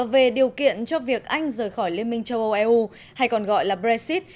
về điều kiện cho việc anh rời khỏi liên minh châu âu eu hay còn gọi là brexit